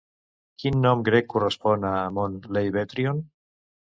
Quin nom grec correspon a Mont Leibetrion?